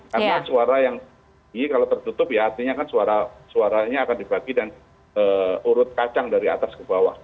karena suara yang ini kalau tertutup ya artinya kan suaranya akan dibagi dan urut kacang dari atas ke bawah